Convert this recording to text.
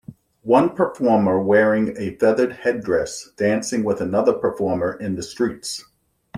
one performer wearing a feathered headdress dancing with another performer in the streets